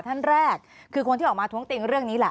ท่านแรกคือคนที่ออกมาท้วงติงเรื่องนี้แหละ